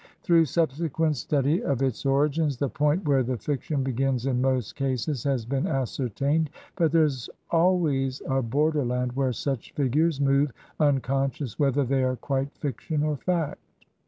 Through subsequent study of its origins, the point where the fiction begins in most cases has been ascertained, but there is always a bor derland where such figures move unconscious whether they are quite fiction or fact.